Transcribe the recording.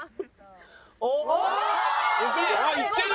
おお！あっいってる！